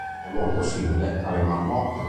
È molto simile alle marmotte.